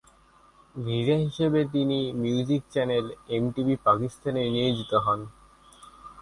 ভিজে হিসেবে তিনি মিউজিক চ্যানেল এমটিভি পাকিস্তানে নিয়োজিত হন।